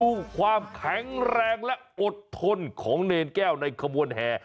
ดูความแข็งแรงและอดทนของเนรแก้วในขบวนแห่